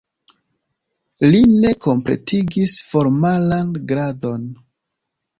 Li ne kompletigis formalan gradon.